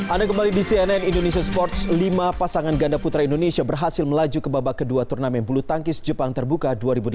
anda kembali di cnn indonesia sports lima pasangan ganda putra indonesia berhasil melaju ke babak kedua turnamen bulu tangkis jepang terbuka dua ribu delapan belas